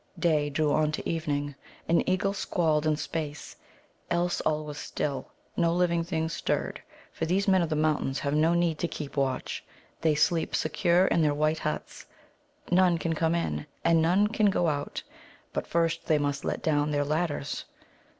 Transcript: Day drew on to evening. An eagle squalled in space. Else all was still; no living thing stirred. For these Men of the Mountains have no need to keep watch. They sleep secure in their white huts. None can come in, and none go out but first they must let down their ladders.